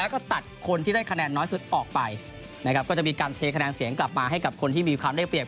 ก็จะออกไปนะครับก็จะมีการเทคะแนนเสียงกลับมาให้กับคนที่มีความได้เปรียบ